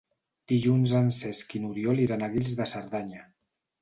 Dilluns en Cesc i n'Oriol iran a Guils de Cerdanya.